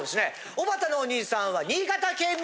おばたのお兄さんは新潟県民。